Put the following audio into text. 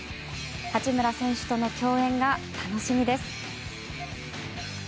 八村選手との共演が楽しみです。